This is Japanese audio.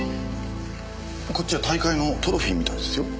こっちは大会のトロフィーみたいですよ。